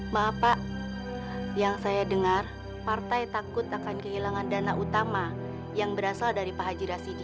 maaf pak yang saya dengar partai takut akan kehilangan dana utama yang berasal dari pak haji rasidi